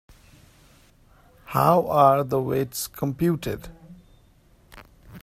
How are the weights computed?